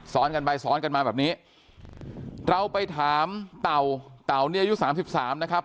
ซ้อนกันไปซ้อนกันมาแบบนี้เราไปถามเต่าเต่าเนี่ยอายุสามสิบสามนะครับ